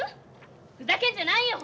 ふざけんじゃないよ！